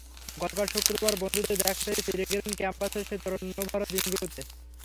গতকাল শুক্রবার বন্ধুদের দেখা পেয়ে ফিরে গেলেন ক্যাম্পাসের সেই তারুণ্যভরা দিনগুলোতে।